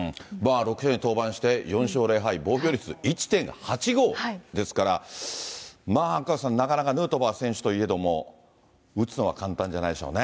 ６試合に登板して４勝０敗、防御率は１．８５ですから、まあ赤星さん、なかなかヌートバー選手といえども、打つのは簡単じゃないでしょうね。